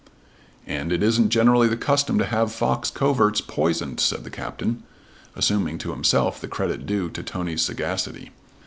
"And it isn't generally the custom to have fox coverts poisoned," said the Captain, assuming to himself the credit due to Tony's sagacity.